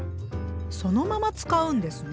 そのまま使うんですね。